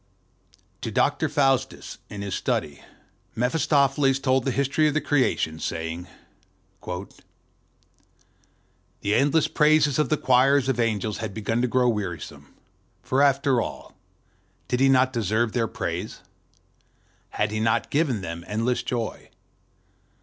TO Dr. Faustus in his study Mephistopheles told the history of the Creation, saying:"The endless praises of the choirs of angels had begun to grow wearisome; for, after all, did he not deserve their praise? Had he not given them endless joy?